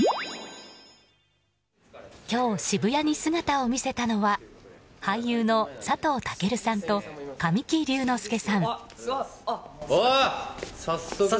今日、渋谷に姿を見せたのは俳優の佐藤健さんと神木隆之介さん。